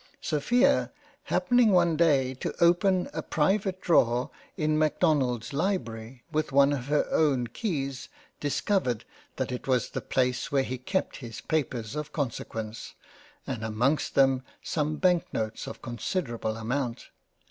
Sophia happening one day to open a private Drawer in Macdonald's Library with one of her own keys, discovered that it was the Place where he kept his Papers of consequence and amongst them some bank notes of considerable amount.